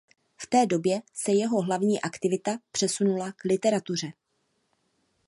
V té době se jeho hlavní aktivita přesunula k literatuře.